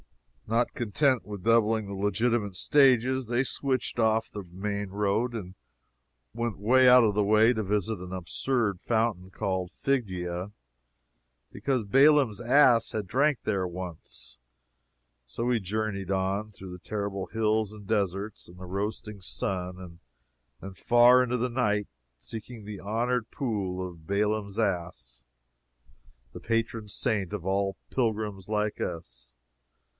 Not content with doubling the legitimate stages, they switched off the main road and went away out of the way to visit an absurd fountain called Figia, because Baalam's ass had drank there once. So we journeyed on, through the terrible hills and deserts and the roasting sun, and then far into the night, seeking the honored pool of Baalam's ass, the patron saint of all pilgrims like us.